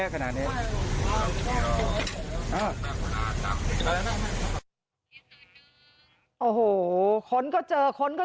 ขนก็เจอนะคะ